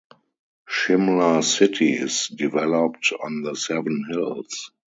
Shimla city is developed on the Seven Hills.